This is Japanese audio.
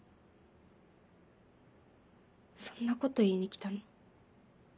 そんなこと言いに来たの？